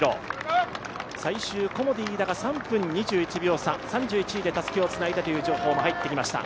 最終コモディイイダが３分２１秒差３１位でたすきをつないだという情報も入ってきました。